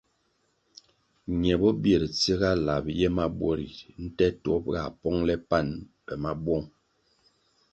Ñe bo bir ntsiga lab ye mabuo ri nte ntuop ga pongle pan pe mabouong.